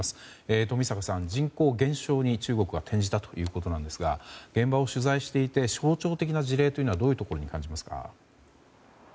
冨坂さん、人口減少に中国は転じたということですが現場を取材していて象徴的な事例はどういうところにありますか。